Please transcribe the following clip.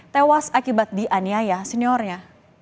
tewas akibat dianiaya seniornya